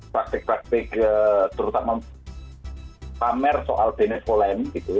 praktik praktik terutama pamer soal benevolan gitu